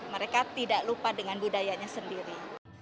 mereka tidak lupa dengan budayanya sendiri